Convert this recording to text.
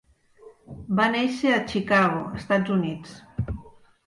Va néixer a Chicago, Estats Units.